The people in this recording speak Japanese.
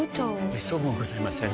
めっそうもございません。